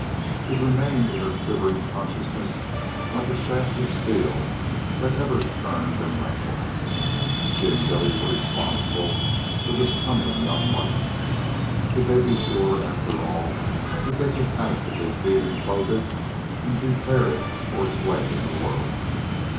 It remained in her quivering consciousness like a shaft of steel that ever turned and rankled. She and Billy were responsible for this coming young life. Could they be sure, after all, that they could adequately feed and clothe it and prepare it for its way in the world?